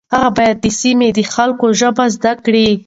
هغه باید د سیمې د خلکو ژبه زده کړي.